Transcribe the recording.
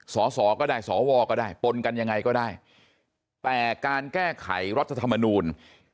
สอสอก็ได้สวก็ได้ปนกันยังไงก็ได้แต่การแก้ไขรัฐธรรมนูล